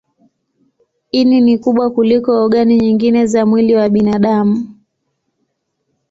Ini ni kubwa kuliko ogani nyingine za mwili wa binadamu.